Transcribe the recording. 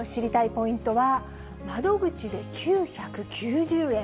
ポイントは窓口で９９０円。